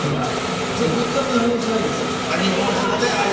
僕は日本酒がいいですね。